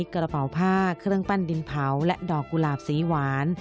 กระเป๋าผ้าเครื่องปั้นดินเผาและดอกกุหลาบสีหวาน